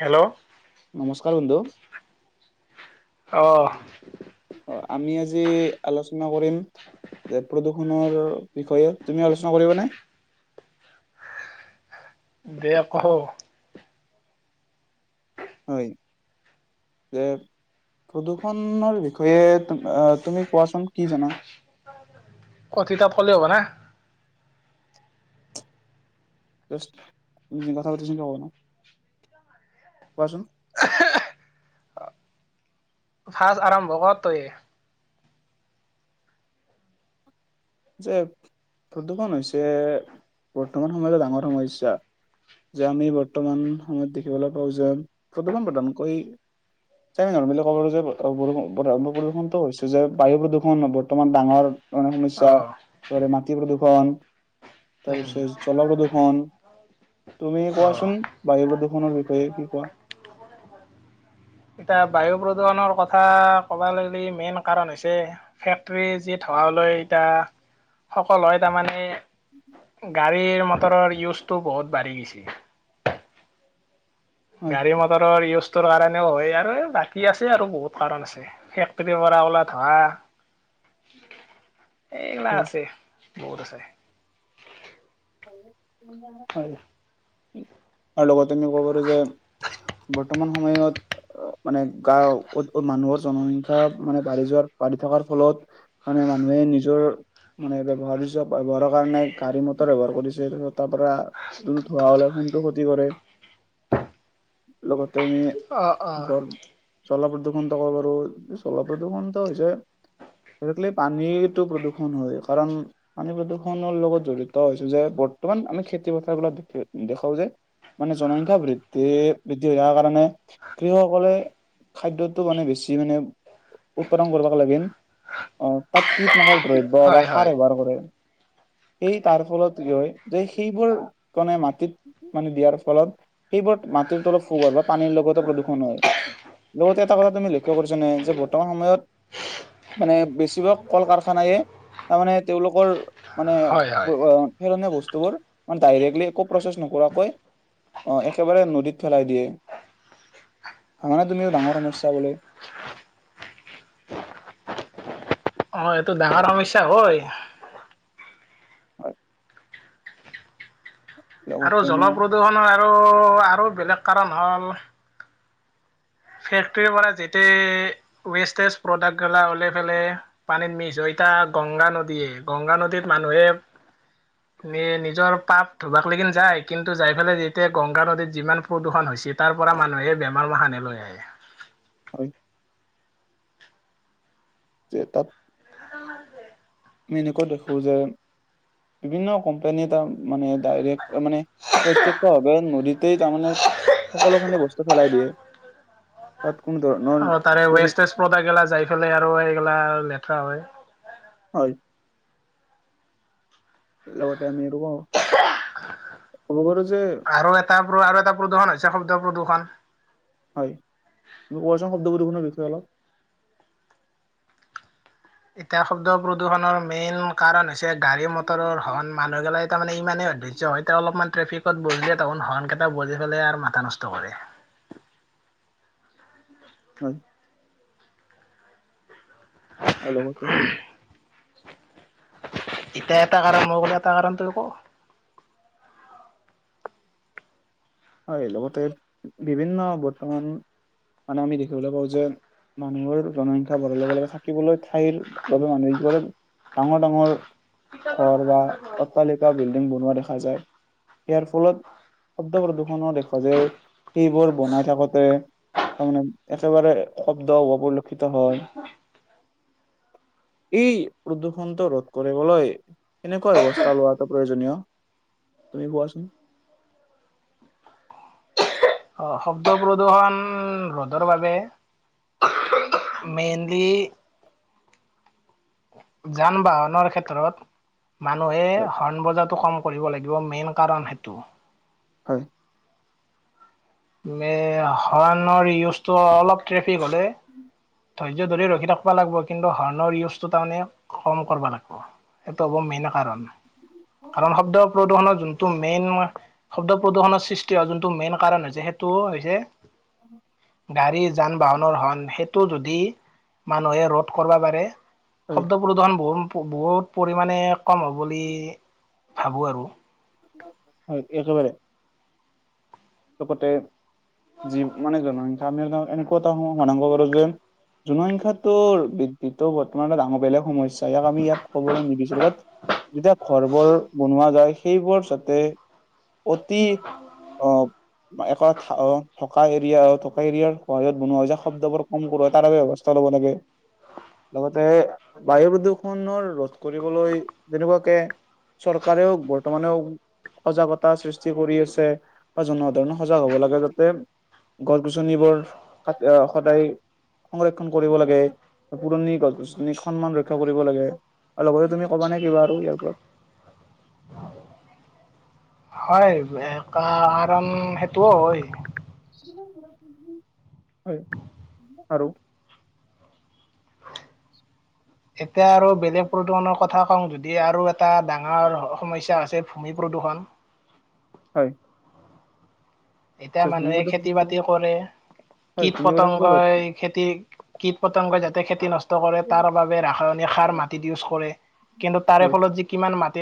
Hello! নমস্কাৰ বন্ধু। অহ। অ, আমি আজি আলোচনা কৰিম যে প্ৰদূষণৰ বিষয়ে তুমি আলোচনা কৰিবানে? দে কও। হয় যে প্ৰদূৰ্ষণৰ বিষয়ে তুমি কোৱাচোন কি জানা? কথিতা পলে হ'ব নে? নি কথা পাতি চ পাব ন [unintelligible] কোৱাচোন ফাজ আৰম্ভ কৰ তয়ে। যে প্ৰৰ্দুষণ হৈছে বৰ্তমান সময়ত ডাঙৰ সমস্যা। যে আমি বৰ্তমান সময়ত দেখিবলৈ পাওঁ যে প্ৰৰ্দুষণ প্ৰধানকৈ যে আমি নৰ্মেল ক'ব গ'লে যে প্ৰৰ্দুষণটো হৈছে যে বায়ু প্ৰৰ্দুষণ বৰ্তমান ডাঙৰ ডাঙৰ অ সমস্যা। ত' মাটি প্ৰদূৰ্ষণ উম তাৰপিছ জল প্ৰদূৰ্ষণ তুমি অ কোৱাচোন বায়ু প্ৰদুৰ্ষণৰ বিষয়ে কি কোৱা? এতিয়া বায়ু প্ৰদূৰ্ষণৰ কথা ক'ব লি মেইন কাৰণ হৈছে, ফেক্টৰী যি ধোঁৱা লৈ এতিয়া সকলো হয়। তাৰমানে গাড়ীৰ মটৰৰ ইউজটো বহুত বাঢ়ি গৈছে। হয় গাড়ী মটৰৰ ইউজ তোৰ কাৰণে সনে হয় আৰু বাকী আছে আৰু বহুত কাৰণ আছে। ফেক্টৰীৰ পৰা ওলোৱা ধোঁৱা এইগিলা হয় আছে, বহুত আছে। হয়, আৰু লগতে আমি ক'ব পাৰো যে বৰ্তমান সময়ত মানে গাওঁ, মানুহৰ জনসংখ্যা মানে বাঢ়ি যোৱাৰ বাঢ়ি থকাৰ ফলত মানে মানুহে নিজৰ মানে ব্যৱহাৰ্য ব্যৱহাৰক কাৰণে গাড়ী মটৰ ব্যৱহাৰ কৰিছে তাৰ পৰা যোনটো ধোঁৱা হ'লে যোনটো ক্ষতি কৰে লগতে আমি অ অ জল জল প্ৰদূৰৰ্ষণটো ক'ব বাৰো জল প্ৰদূৰ্ষণটো হৈছে লি পানীটো প্ৰদূৰ্ষণ হয়। কাৰণ পানী প্ৰদূৰ্ষণৰ লগত জড়িত ছো যে বৰ্তমান আমি খেতি পথাৰ গিলাক দেখ দেখাওঁ যে মানে জনসংখ্যা বৃদ্ধি, বৃদ্ধি হোৱাৰ কাৰণে কৃষকসকলে খাদ্যটো মানে বেছি মানে উৎপাদন কৰিব লাগে, অ' তাত কি ট নাসক দ্ৰব্য বা হয় সাৰ হয় ব্যৱহাৰ কৰে। এই তাৰ ফলত কি হয়, যে সেইবোৰ কাৰণে মাটিত মানে দিয়াৰ ফলত সেইবোৰত মাটিৰ তলত সবৰ বা পানীৰ লগতে প্ৰদূষণ হয়। লগতে এটা কথা তুমি লক্ষ্য কৰিছ নে যে বৰ্তমান সময়ত মানে বেছিভাগ ক'ল কাৰখানাইে তাৰমানে তেওঁলোকৰ মানে হয় হয় পেলনীয়া বস্তুবোৰ ডাইৰেক্টলি একো প্ৰচেছ নকৰাকৈ অ' একেবাৰে নদীত পেলাই দিয়ে। ভাবানে তুমি এইটো ডাঙৰ সমস্যা বুলি? অ' এইটো ডাঙৰ সমস্যা হয়। আৰু লগতে আমি জলপ্ৰদূৰ্ষণৰ আৰু আৰু বেলেগ কাৰণ হ'ল ফেক্টৰীৰ পৰা যেতিয়া ৱেষ্টেজ প্ৰডাক্ট গিলা ওলাই পেলাই পানীত মিছ হৈ থাক এটায়া গংগা নদীয়ে, গংগা নদীত মানুহে নিজৰ পাপ ধুবাক লকিন যায়, কিন্তু যাই পেলাই যেতিয়া গংগা নদীত যিমান প্ৰদূৰ্ষণ হৈছে তাৰ পৰা মানুহে বেমাৰ সানি লৈ আহে। হয়। যে তাত আমি এনেকুৱা দেখো যে বিভিন্ন কোম্পানী তা মানে ডাইৰেক্ট মানে প্ৰত্যক্ষভাৱে নদীতেই তাৰমানে সকলো খিনি বস্তু পেলাই দিয়ে। তাত কোনো ধৰণৰ অ' তাৰে পৰি ৱেষ্টেজ প্ৰাডাক্ট গিলা যায় পেলাই আৰু এই গিলা লেতেৰা হয়। হয়। লগতে আমি যে আৰু এটা আৰু এটা প্ৰদূষণছে শব্দ প্ৰদূষণ হয় কবচোন শব্দ পদূশনৰ বিষয়ে অলপ এতিয়া শব্দ প্ৰদূষণৰ মেইন কাৰণ হৈছে গাড়ী মটৰৰ হন মানুহ গিলাই তাৰ মানে ইমানেই ধ অলপমান ট্ৰেফিক বজিয়ে ত হন কেইটা বজি পেলাই আৰু মাথা নষ্ট কৰে হয় আৰু লগৰটো এতিয়া এটা কাৰণ মইকলো এটা কাৰণটো ক হয় লগতে বিভিন্ন বৰ্তমান মানে আমি দেখিবলৈ পাওঁ যে মানুহৰ জনসংখ্যাবঢ়াৰ লগে লগে থাকিবলৈ ঠাইৰ বাবে মানুহে কি কৰে ডাঙৰ ডাঙৰ ঘৰ বা অট্টালিকা বিল্ডিং বনোৱা দেখা হয় যায় ইয়াৰ ফলত শব্দ প্ৰদূষন দেখা যাই সেইবোৰ বনাই থাকোতে তাৰমানে একেবাৰে শব্দ অপলক্ষিত হয় এই প্ৰদূৰষণটো ৰোধ কৰিবলৈ কেনেকুৱা অৱস্থা লোৱাটো প্ৰয়োজনীয় তুমি কোৱাচোন অ শব্দ প্ৰদূশন ৰ'দৰ বাবে মেইনলি যান বাহনৰ ক্ষেত্ৰত মানুহে হয় হৰ্ণ বজাটো কম কৰিব লাগিব মেইন কাৰণ সেইটো হয় হণ্ ৰ ইউজটো অলপ ট্ৰেফিক হ'লে ধৈৰ্য ধৰি ৰখি থাকবা লাগিব কিন্তু হৰ্ণ ইউজটো তাৰমানে কম কৰিব লাগিব সেইটো হ'ব মেইন কাৰণ কাৰণ শব্দ প্ৰদূষণৰ যোনটো মেইন শব্দ প্ৰদূষণৰ সৃষ্টি হোৱা যোনটো মেইন কাৰণ হৈছে সেই তোৰ হৈছে অ গাড়ী যান বাহনৰ হন সেইটো যদি মানুহে ৰুধ কৰিব পাৰে হয় শব্দ প্ৰদূষণ বহুত বহুত পৰিমাণে কম হ'ব বুলি ভাবো আৰু হয় একেবাৰে লগতে জী মানে জনসংখ্যা আমি এনেকুৱা এটা মনাংগ কৰো যে জনসংখ্যাটো বৃদ্ধি বৰ্তমান ডাঙৰ বেলেগ সমস্যা নি ইয়াক আমি ইয়াত ক'বলৈ নিবিচাৰো বাত যেতিয়া ঘৰ বোৰ বনোৱা যায় সেইবোৰ যাতে অতি আহ এক থকা এৰিয়া থকা এৰিয়াৰ সহত বনোৱা যায় শব্দ বোৰ কম কৰ হয় তাৰ ব্যৱস্থা চাই লব লাগে লগতে বায়ু প্ৰদূৰষণৰ ৰোধ কৰিবলৈ যেনেকুৱাকে চৰকাৰেও বৰ্তমানেও সজাগতা সৃষ্টি কৰি আছে বা জনত ধৰণৰ সজাগ হ'ব লাগে যাতে গছ গছনিবোৰ ক আহ সদায় সংৰক্ষণ কৰিব লাগে পুৰণি গছ গছনিক সন্মান ৰক্ষা কৰিব লাগে আৰু লগতে তুমি কবা নে কিবা আৰু ইয়াৰ ওপৰত হয় কাৰণ সেইটোও হয় হয় আৰু এতিয়া আৰু বেলেগ প্ৰদূষণৰ কথা কওঁ যদি দ আৰু এটা ডাঙৰ সমস্যা আছে ভূমি প্ৰদূষণ হয় এতিয়া ভূমি মানুহে খেতি প্ৰদূষণটো বাতি কৰে হয় কীট ভূমি প্ৰদূষণটো ৰোধ পতংগই খেতি কীট পতংগই যাতে খেতি নষ্ ত কৰে, তাৰ বাবে ৰাসায়নিক সাৰ মাটিত ইউজ কৰে, কিন্তু তাৰে হয় ফলত যে কিমান মাট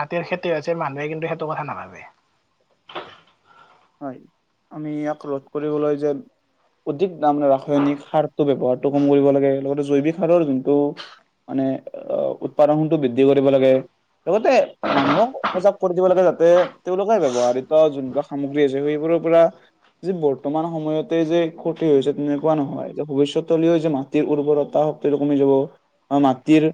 মাটিৰ খেতি হৈছে, মানুহে কিন্তু সেইটো কথা নাভাবে। হয় আমি ইয়াক ৰোধ কৰিবলৈ যে অধিক তাৰ মানে ৰাসায়নিক সাৰটো ব্যৱহাৰটো কম কৰিব লাগে, লগতে জৈৱিক সাৰৰ জোনটো মানে, উৎপাদন গুণটো বৃদ্ধি কৰিব লাগে। লগতে মানুহক সজাগ কৰি দিব লাগে যাতে তেওঁলোকে ব্যৱহাৰিত জোনবিলাক সামগ্ৰী আছে সেইবোৰৰ পৰা যে বৰ্তমান সময়তে যে ক্ষতি হৈছে তেনেকুৱা নহয়, যে ভৱিষ্যতলৈও যে মাটিৰ উৰ্বৰতা টো কমি যাব, আৰু মাটিৰ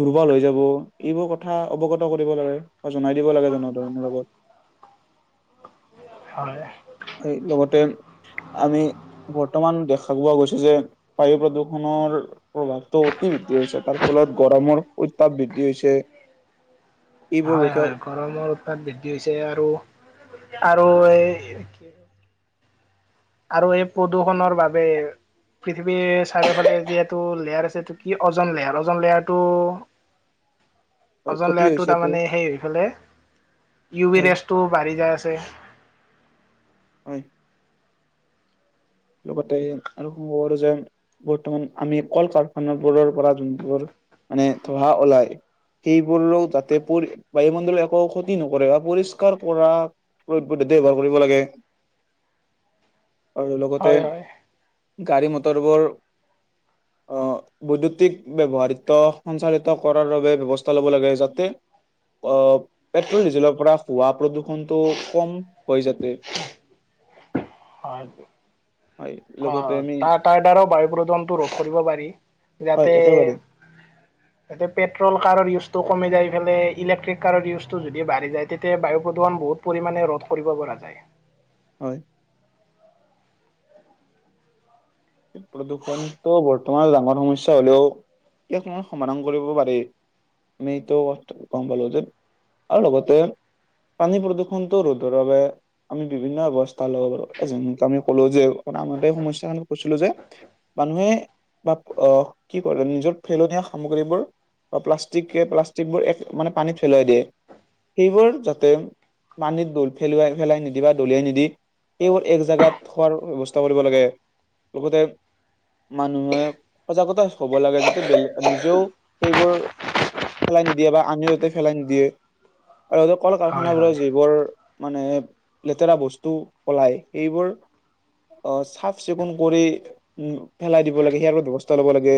দুৰ্বল হৈ যাব, এইবোৰ কথা অৱগত কৰিব লাগে বা জনাই দিব লাগে জনাধাৰণৰ লগত। হয়। এই লগতে আমি বৰ্তমান দেখা পোৱা গৈছে যে, বায়ু প্ৰদূষণৰ প্ৰভাৱটো অতি বৃদ্ধি হৈছে, তাৰ ফলত গৰমৰ উত্তাপ বৃদ্ধি হৈছে এইবোৰ হয় ৰোধে হয়, গৰমৰ উৎপাত বৃদ্ধি হৈছে আৰু আৰু এই কি আৰু এই প্ৰদূষণৰ বাবে পৃথিৱীৰ চাৰিওফালে যিহেটো লেয়াৰ আছে, এইটো কি অ'জন লেয়াৰ, অ'জন লেয়াৰটো হয় অ'জন ক্ষতি লেয়াৰটো হৈছেটো তাৰমানে সেইফালে ইউ ভি হয় ৰেছটোও বাঢ়ি যায় আছে। হয়। লগতে আৰু ক'ব পাৰো যে বৰ্তমান আমি কল-কাৰখানা বোৰৰ পৰা যোনবোৰ মানে ধোঁৱা ওলাই সেইবোৰও যাতে পৰি, বায়ুমণ্ডলৰ একো ক্ষতি নকৰে, বা পৰিষ্কাৰ কৰা পদ্ধতি ব্যৱহাৰ কৰিব লাগে, আৰু লগতে হয় হয়। গাড়ী মটৰবোৰ অ', বৈদ্যুতিক ব্যৱহাৰিত, সঞ্চাৰিত কৰাৰ বাবে ব্যৱস্থা ল'ব লাগে যাতে অ', পেট্ৰল ডিজেলৰ পৰা হোৱা প্ৰদূষণটো কম হৈ যাতে। হয় এইটো। হয়। লগতে অ', আমি তাৰ-তাৰ দ্বাৰাও বায়ু প্ৰদূষণটো ৰোধ কৰিব পাৰি, হয় যাতে একেবাৰে এতিয়া পেট্ৰল কাৰৰ ইউজ টো কমি যাই পেলাই ইলেক্ট্ৰিক কাৰৰ ইউজটো যদি বাঢ়ি যায়, তেতিয়া বায়ু প্ৰদূষণ বহুত পৰিমাণে ৰোধ কৰিব পৰা যায়। হয়। প্ৰদূষণটো বৰ্তমান ডাঙৰ সমস্যা হ'লেও ইয়াক তোমাৰ সমাধান কৰিব পাৰি। মেইতো কম পালো যে আৰু লগতে পানী প্ৰদূষণতো ৰোধৰ বাবে আমি বিভিন্ন ব্যৱস্থা ল'ব পাৰো, এ যেনেকে আমি ক'লো যে [unintelligible] সমস্যা [unintelligible] কৈছিলো যে, মানুহে বাপ-আ কি কৰে নিজৰ পেলনীয়া সামগ্ৰীবোৰ বা প্লাষ্টিকে প্লাষ্টিকবোৰ এক মানে পানীত পেলাই দিয়ে, সেইবোৰ যাতে পানীত দল-পেলুৱাই পেলাই নিদিবা দলিয়াই নিদি। কেৱল এক জেগাত থোৱাৰ ব্যৱস্থা কৰিব লাগে, লগতে মানুহে সজাগতা হ'ব লাগে যাতে, বেলেগ নিজেও সেইবোৰ ফেলাই নিদিয়ে বা আমিও যাতে ফেলাই নিদিয়ে আৰু হয় কল-কাৰখানাবোৰৰ হয় যিবোৰ মানে লেতেৰা বস্তু অলাই সেইবোৰ অহ চাফ-চিকুণ। কৰি উম পেলাই দিব লাগে সেয়াৰ বাবে ব্যৱস্থা লব লাগে।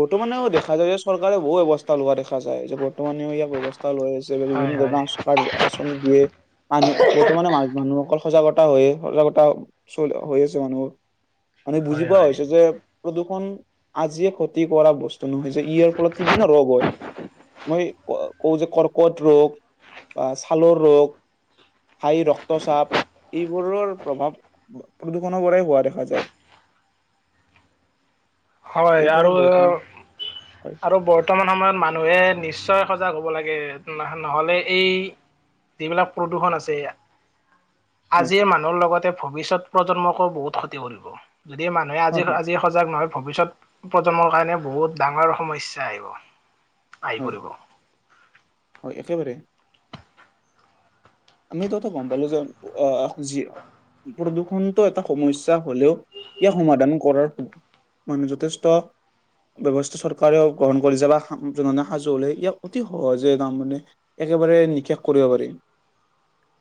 বৰ্তমানেও দেখা যায় যে চৰকাৰে বহু ব্যবস্থা লোৱা দেখা যায়। যে বৰ্তমানেও ইয়াক ব্যবস্থা লৈ আছে হয় বিভিন্ন হয় ধৰণৰ [unintelligible] দিয়ে মানুহ বৰ্তমানে মানুহ অকল সজাগতা হৈ সজাগতা চল হৈ মানুহ। মানে বুজি হয় পোৱা হয়। হৈছে যে প্ৰদূষণ আজিয়ে ক্ষতি কৰা বস্তু নহয় যে ইয়াৰ ফলত বিভিন্ন ৰোগ হয়। মই কওঁ যে কৰ্কট ৰোগ বা ছালৰ ৰোগ। হাই ৰক্তচাপ। এইবোৰৰ প্ৰভাৱ, প, প্ৰদূ অনবৰেই হোৱা দেখা যায়। হয় সেইবাবে আৰু, বৰ্তমান হয় আৰু বৰ্তমান সময়ত মানুহে নিশ্চয় সজাগ হ'ব লাগে। নহ'লে এই যিবিলাক প্ৰদূষণ আছে হয় আজিৰ মানুহৰ লগতে ভৱিষ্যত প্ৰজন্মকো বহুত ক্ষতি কৰিব। যদি মানুহে আজি, হয় হয় আজি সজাগ নহয় ভৱিষ্যত প্ৰজন্মৰ কাৰণে বহুত ডাঙৰ সমস্যা আহিব। আহি হয়, পৰিব হয় একেবাৰে। আমি তহতে গম পালো যে অহ যি প্ৰদূষণ এটা সমস্যা হলেও ইয়াৰ সমাধান কৰাৰ মানে যথেষ্ট ব্যৱস্থা চৰকাৰেও গ্ৰহণ কৰিছে বা জনে সাজু হলে ইয়াক অতি সহজে তাম মানে এ- কেবাৰে নিকেষ কৰিব পাৰিম।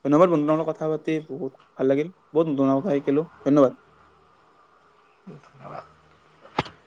ধন্যবাদ বন্ধু লগত কথা পাতি বহুত ভাল লাগিল বহুত নতুন কথা শিকিলোঁ ধন্যবাদ। [inaudible] ধন্যবাদ